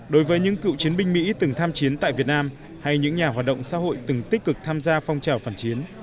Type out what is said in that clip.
đối với những cựu chiến binh mỹ từng tham chiến tại việt nam hay những nhà hoạt động xã hội từng tích cực tham gia phong trào phản chiến